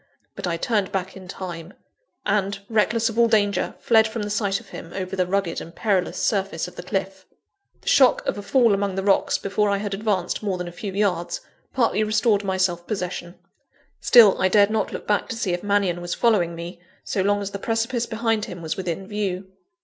But I turned back in time; and, reckless of all danger, fled from the sight of him, over the rugged and perilous surface of the cliff. The shock of a fall among the rocks, before I had advanced more than a few yards, partly restored my self possession. Still, I dared not look back to see if Mannion was following me, so long as the precipice behind him was within view.